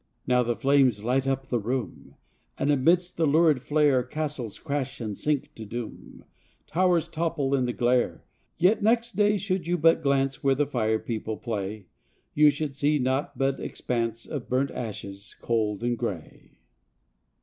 55 Now the flames light up the room, And amidst the lurid flare, Castles crash and sink to doom, Towers topple in the glare. Yet next day should you but glance Where the fire people play, You would see naught but expanse Of burnt ashes cold and gray.